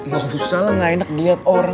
gak usah lah gak enak diliat orang